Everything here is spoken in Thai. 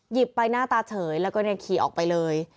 ไปหน้าตาเฉยแล้วก็ขี่ออกไปเลย